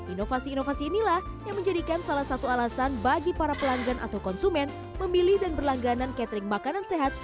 inovasi inovasi inilah yang menjadikan salah satu alasan bagi para pelanggan atau konsumen memilih dan berlangganan catering makanan sehat